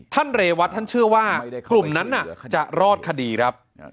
ท่านเรย์วัดท่านเชื่อว่ากลุ่มนั้นน่ะจะรอดคดีครับ